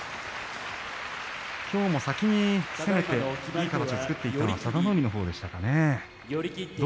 きょうも先に攻めていい形を作ったのは佐田の海のほうでしたね。